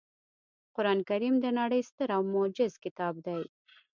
قرانکریم د نړۍ ستر او معجز کتاب دی